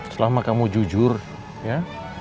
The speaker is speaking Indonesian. selama kamu jujur ya